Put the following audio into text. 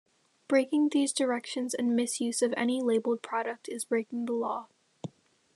Breaking these directions and misuse of any labeled product is breaking the law.